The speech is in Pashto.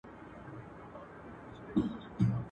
دا په وينو روزل سوی چمن زما دی.